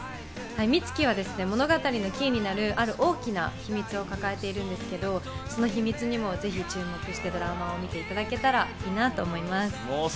美月は物語のキーになる、ある大きな秘密を抱えているんですけれど、その秘密にもぜひ注目してドラマを見ていただけたらなと思います。